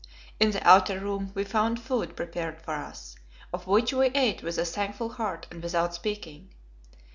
In the outer room we found food prepared for us, of which we ate with a thankful heart and without speaking.